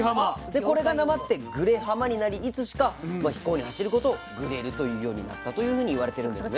でこれがなまってぐれはまになりいつしか非行に走ることをグレるというようになったというふうに言われてるんですね。